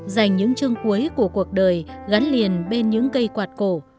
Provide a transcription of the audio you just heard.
dành những chương cuối của cuộc đời gắn liền bên những cây quạt cổ